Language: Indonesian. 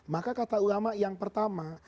maka kata ulama yang pertama